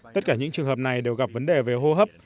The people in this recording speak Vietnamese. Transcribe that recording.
tất cả những trường hợp này đều gặp vấn đề về hô hấp